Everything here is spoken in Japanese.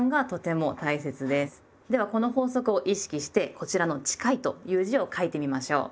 ではこの法則を意識してこちらの「近い」という字を書いてみましょう！